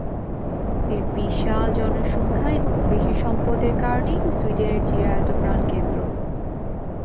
এর বিশাল জনসংখ্যা এবং কৃষি সম্পদের কারণে এটি সুইডেনের চিরায়ত প্রাণকেন্দ্র।